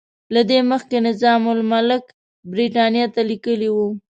له دې مخکې نظام الملک برټانیې ته لیکلي وو.